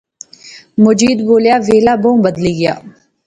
مجید بولیا ویلا بہوں بدلی گیا